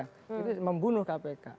itu membunuh kpk